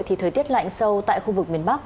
thì thời tiết lạnh sâu tại khu vực miền bắc